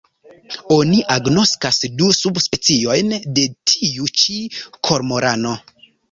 Oni agnoskas du subspeciojn de tiu ĉi kormorano.